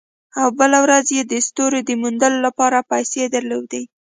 او بله ورځ یې د ستورو د موندلو لپاره پیسې درلودې